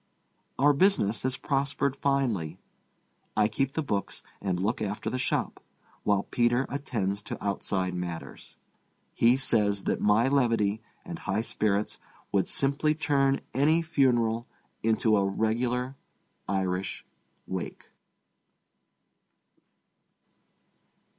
Our business has prospered finely. I keep the books and look after the shop, while Peter attends to outside matters. He says that my levity and high spirits would simply turn any funeral into a regular Irish wake.